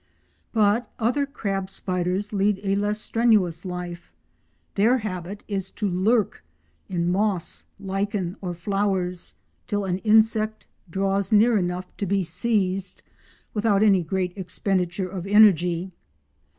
But other crab spiders lead a less strenuous life; their habit is to lurk in moss, lichen, or flowers till an insect draws near enough to be seized without any great expenditure of energy.